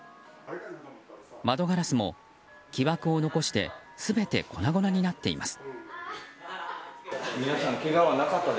窓ガラスも木枠を残して全て粉々になっています。